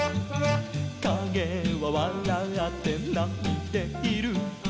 「かげはわらって泣いている」